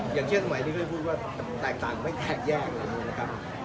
อย่างเช่นสมัยที่เคยพูดว่าแตกต่างไม่แตกแยกนะครับ